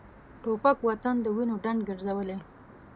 توپک وطن د وینو ډنډ ګرځولی.